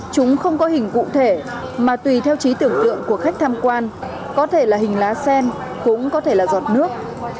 chúng không có hình cụ thể mà tùy theo trí tưởng tượng của khách tham quan có thể là hình lá sen cũng có thể là giọt nước